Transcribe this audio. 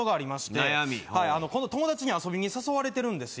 ほおはいあの今度友達に遊びに誘われてるんですよ